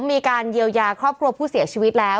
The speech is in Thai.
มีการเยียวยาครอบครัวผู้เสียชีวิตแล้ว